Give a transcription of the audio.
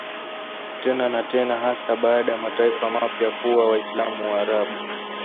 tena na tena hasa baada ya mataifa mapya kuwa Waislamu Waarabu